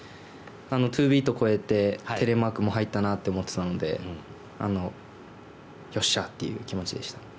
ツービート越えてテレマークも入ったなと思ったのでよっしゃという気持ちでした。